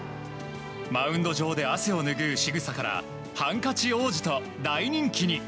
マウンド上で汗を拭うしぐさからハンカチ王子と大人気に。